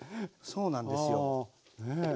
そうなんですよ。